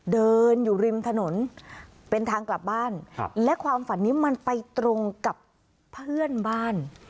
เดินอยู่ริมถนนเป็นทางกลับบ้านและความฝันนี้มันไปตรงกับเพื่อนบ้าน